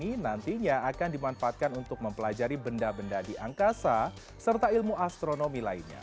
ini nantinya akan dimanfaatkan untuk mempelajari benda benda di angkasa serta ilmu astronomi lainnya